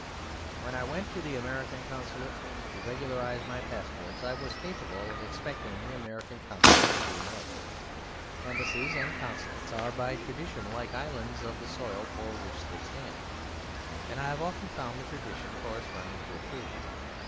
When I went to the American consulate to regularise my passports, I was capable of expecting the American consulate to be American. Embassies and consulates are by tradition like islands of the soil for which they stand; and I have often found the tradition corresponding to a truth.